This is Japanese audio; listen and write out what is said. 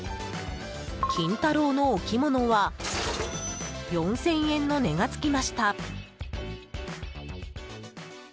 金太郎の置物は４０００円の値がつきました。